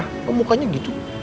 kok mukanya gitu